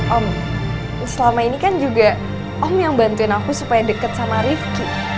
om selama ini kan juga om yang bantuin aku supaya deket sama rifki